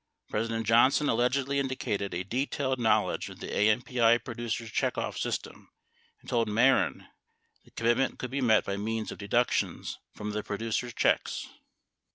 President Johnson allegedly indicated a detailed knowledge of the AMPI producers' checkoff system and told Mehren the commitment could be met by means of deductions from producers' checks.